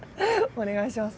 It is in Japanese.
お願いします。